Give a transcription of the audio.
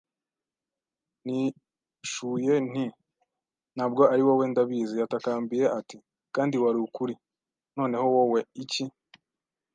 Nishuye nti: “Ntabwo ari wowe, ndabizi.” Yatakambiye ati: “Kandi wari ukuri. “Noneho wowe - iki